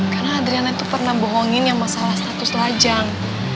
karena adriana itu pernah bohongin yang masalah status lajang